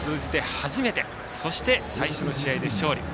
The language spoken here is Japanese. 初めてそして、最初の試合で勝利。